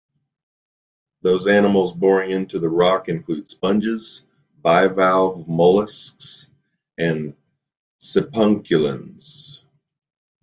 Those animals boring into the rock include sponges, bivalve mollusks, and sipunculans.